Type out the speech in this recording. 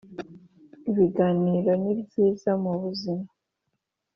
ibiganiro ni byiza mu buzima